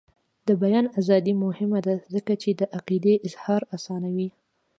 د بیان ازادي مهمه ده ځکه چې د عقیدې اظهار اسانوي.